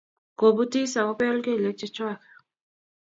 ko butis ak kobel keliek chechwak